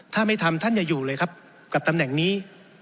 ถ้าไม่ทำท่านอย่าอยู่เลยครับกับตำแหน่งนี้